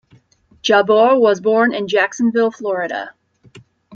Jabbour was born in Jacksonville, Florida.